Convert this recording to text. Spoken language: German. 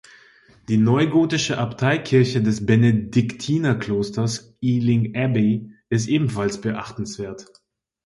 Die neugotische Abteikirche des Benediktinerklosters Ealing Abbey ist ebenfalls beachtenswert.